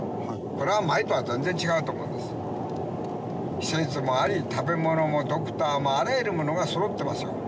施設もあり食べ物もドクターもあらゆるものが揃ってますよ